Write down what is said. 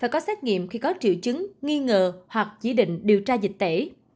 có xét nghiệm khi có triệu chứng nghi ngờ hoặc dĩ định điều tra dịch tễ